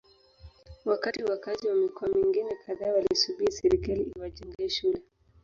wakati wakazi wa mikoa mingine kadhaa walisubiri serikali iwajengee shule